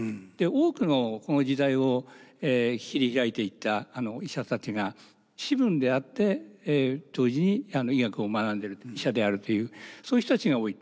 多くのこの時代を切り開いていった医者たちが士分であって同時に医学を学んでる医者であるというそういう人たちが多い。